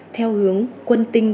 theo hướng quân tính